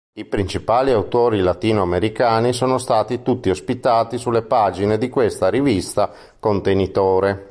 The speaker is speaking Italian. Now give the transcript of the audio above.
I principali autori latinoamericani sono stati tutti ospitati sulle pagine di questa rivista contenitore.